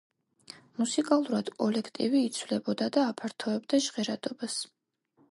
მუსიკალურად კოლექტივი იცვლებოდა და აფართოვებდა ჟღერადობას.